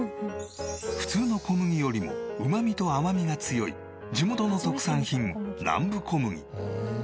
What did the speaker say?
普通の小麦よりもうまみと甘みが強い地元の特産品南部小麦。